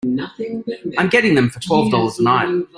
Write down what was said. I'm getting them for twelve dollars a night.